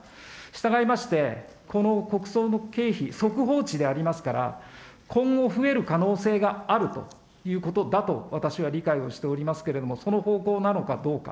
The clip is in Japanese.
従いまして、この国葬の経費、速報値でありますから、今後、増える可能性があるということだと私は理解をしておりますけれども、その方向なのかどうか。